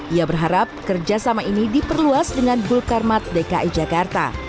ia berharap kerjasama ini diperluas dengan gul karmat dki jakarta